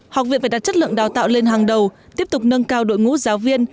học viện phải đặt chất lượng đào tạo lên hàng đầu tiếp tục nâng cao đội ngũ giáo viên